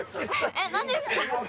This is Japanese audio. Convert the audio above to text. えっなんですか？